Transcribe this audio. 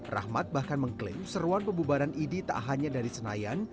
rahmat bahkan mengklaim seruan pembubaran idi tak hanya dari senayan